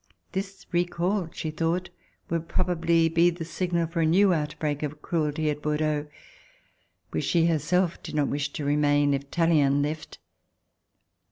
This re call she thought would probably be the signal for a new outbreak of cruelty at Bordeaux, where she herself did not wish to remain if Tallien left.